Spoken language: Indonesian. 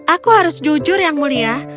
aku harus jujur yang mulia